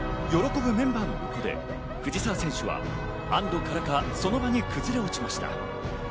喜ぶメンバーの奥で藤澤選手は安堵からかその場に崩れ落ちました。